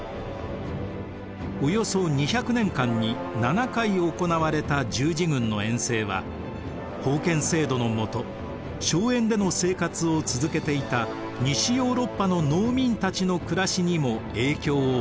およそ２００年間に７回行われた十字軍の遠征は封建制度のもと荘園での生活を続けていた西ヨーロッパの農民たちの暮らしにも影響を与えます。